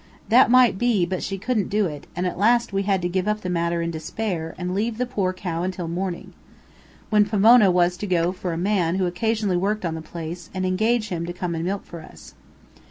That might be, but she couldn't do it, and at last we had to give up the matter in despair, and leave the poor cow until morning, when Pomona was to go for a man who occasionally worked on the place, and engage him to come and milk for us.